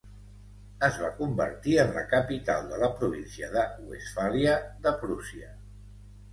Es va convertir en la capital de la província de Westfàlia de Prússia.